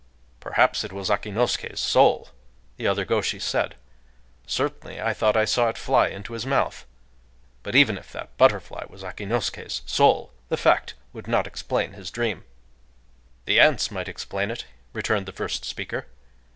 "Perhaps it was Akinosuké's soul," the other gōshi said;—"certainly I thought I saw it fly into his mouth... But, even if that butterfly was Akinosuké's soul, the fact would not explain his dream." "The ants might explain it," returned the first speaker.